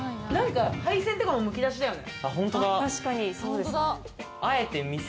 配線とかも剥き出しだよね？